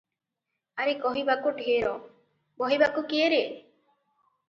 ଆରେ କହିବାକୁ ଢେର, ବହିବାକୁ କିଏ ରେ?